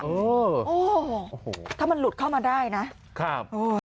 โอ้โหถ้ามันหลุดเข้ามาได้นะครับโอ้